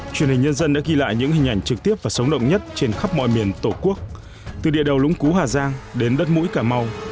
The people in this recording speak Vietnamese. truyền hình nhân dân đã ghi lại những hình ảnh trực tiếp và sống động nhất trên khắp mọi miền tổ quốc từ địa đầu lũng cú hà giang đến đất mũi cà mau